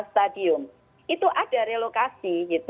itu sudah ada relokasi